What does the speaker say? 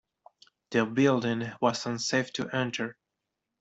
The building was unsafe to enter.